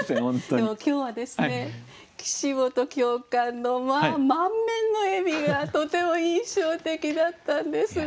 でも今日はですね岸本教官のまあ満面の笑みがとても印象的だったんですが。